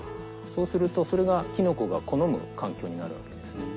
そうするとそれがキノコが好む環境になるわけですね。